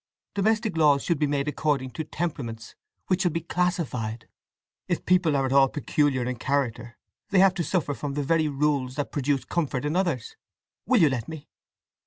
Domestic laws should be made according to temperaments, which should be classified. If people are at all peculiar in character they have to suffer from the very rules that produce comfort in others! … Will you let me?"